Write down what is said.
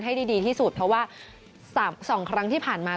ให้ดีที่สุดเพราะว่า๒ครั้งที่ผ่านมา